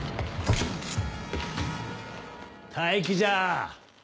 待機じゃあ。